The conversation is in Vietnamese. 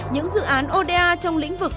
những dự án oda trong lĩnh vực